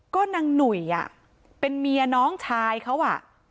ก็นางหนุ่ยเป็นเมียน้องชายเขาอ่ะ